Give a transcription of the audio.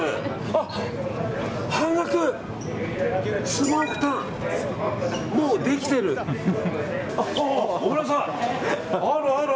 あるある！